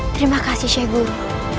terima kasih sheikh guru